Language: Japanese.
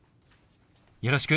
よろしく。